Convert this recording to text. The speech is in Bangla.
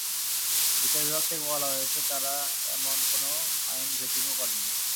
বিচার বিভাগ থেকে বলা হয়েছে, তারা এমন কোনো আইন ভেটিংও করেনি।